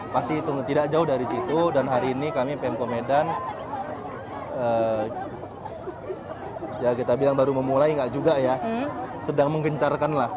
pasti itu tidak jauh dari situ dan hari ini kami pmk medan ya kita bilang baru memulai nggak juga ya sedang menggencarkan lah